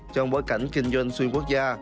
trong bối cảnh kinh doanh xuyên quốc gia